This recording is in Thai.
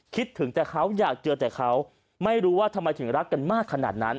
คิดถึงแต่เขาอยากเจอแต่เขาไม่รู้ว่าทำไมถึงรักกันมากขนาดนั้น